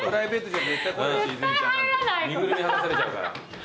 身ぐるみ剥がされちゃうから。